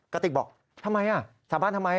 กระติกบอกทำไมสาบานทำไม